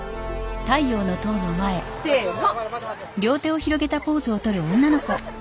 せの！